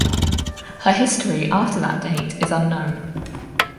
Her history after that date is unknown.